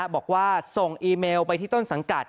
บอกว่าส่งอีเมลไปที่ต้นสังกัด